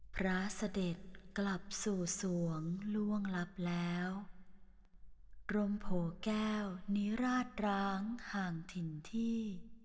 พระเสด็จกลับสู่สวงล่วงลับแล้วกรมโผแก้วนิราชร้างห่างถิ่นที่